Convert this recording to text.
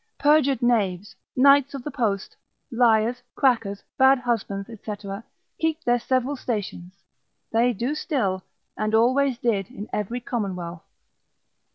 Perjured knaves, knights of the post, liars, crackers, bad husbands, &c. keep their several stations; they do still, and always did in every commonwealth.